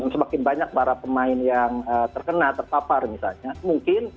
sebakin banyak para pemain yang terkena terpapar misalnya mungkin